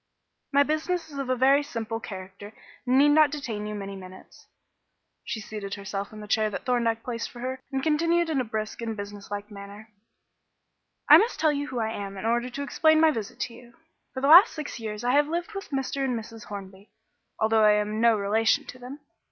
My business is of a very simple character and need not detain you many minutes." She seated herself in the chair that Thorndyke placed for her, and continued in a brisk and business like manner "I must tell you who I am in order to explain my visit to you. For the last six years I have lived with Mr. and Mrs. Hornby, although I am no relation to them.